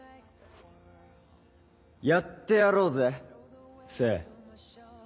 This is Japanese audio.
やってやろうぜ政。